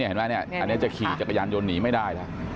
ระยะนี้จะขี่จากกระยานหยุดหนีไม่ได้